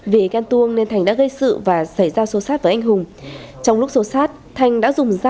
vì gan tuông nên thành đã gây sự và giải giao xô xát với anh hùng